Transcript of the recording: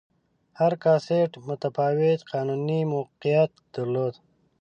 هر کاسټ متفاوت قانوني موقعیت درلود.